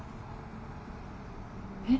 えっ？